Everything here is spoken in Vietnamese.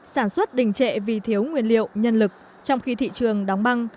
sản xuất đình trệ vì thiếu nguyên liệu nhân lực trong khi thị trường đóng băng